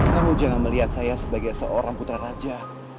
kamu jangan melihat saya sebagai seorang putra raja